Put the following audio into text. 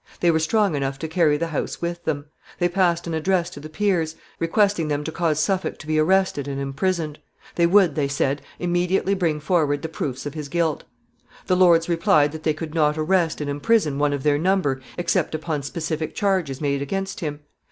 They were strong enough to carry the house with them. They passed an address to the peers, requesting them to cause Suffolk to be arrested and imprisoned. They would, they said, immediately bring forward the proofs of his guilt. [Sidenote: Accusations made.] The Lords replied that they could not arrest and imprison one of their number except upon specific charges made against him.